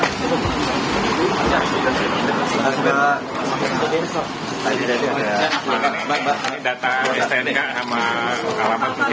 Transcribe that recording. ini data stnk sama alamat